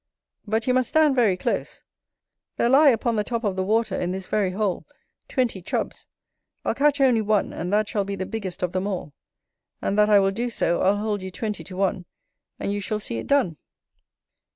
but you must stand very close, there lie upon the top of the water, in this very hole, twenty Chubs. I'll catch only one and that shall be the biggest of them all: and that I will do so, I'll hold you twenty to one, and you shall see it done.